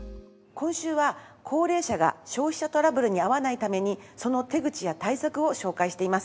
今週は高齢者が消費者トラブルに遭わないためにその手口や対策を紹介しています。